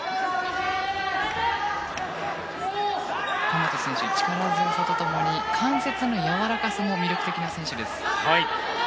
神本選手、力強さと共に関節のやわらかさも魅力的な選手です。